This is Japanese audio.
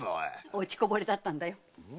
落ちこぼれだったんだよ。